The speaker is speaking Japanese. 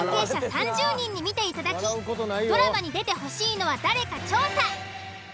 ３０人に見ていただきドラマに出てほしいのは誰か調査。